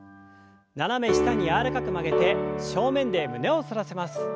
斜め下に柔らかく曲げて正面で胸を反らせます。